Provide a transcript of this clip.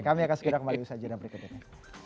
kami akan segera kembali ke sajuran berikutnya